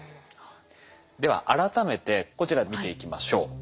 では改めてこちら見ていきましょう。